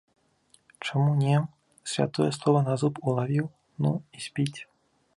Чаму не, святое слова на зуб улавіў, ну, і спіць.